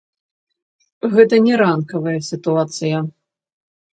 Гэта не рынкавая сітуацыя.